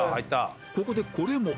［ここでこれも］